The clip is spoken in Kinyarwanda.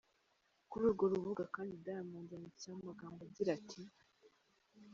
Kuri urwo rubuga kandi Diamond yanditseho amagambo agira ati.